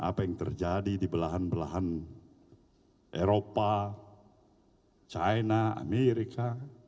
apa yang terjadi di belahan belahan eropa china amerika